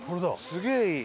すげえいい！